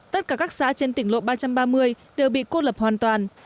tất cả các xã trên tỉnh lộ ba trăm ba mươi đều bị cô lập hoàn toàn